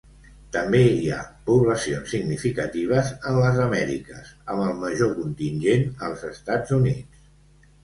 També hi ha poblacions significatives en les Amèriques, amb el major contingent als Estats Units.